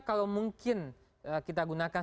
kalau mungkin kita gunakan